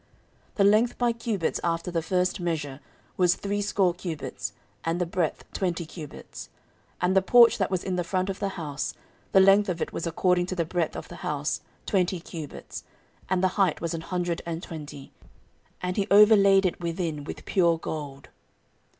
The length by cubits after the first measure was threescore cubits, and the breadth twenty cubits. 14:003:004 And the porch that was in the front of the house, the length of it was according to the breadth of the house, twenty cubits, and the height was an hundred and twenty: and he overlaid it within with pure gold.